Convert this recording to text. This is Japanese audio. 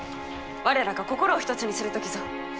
我らが心を一つにする時ぞ。